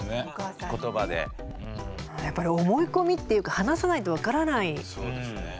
やっぱり思い込みっていうか話さないと分からないね。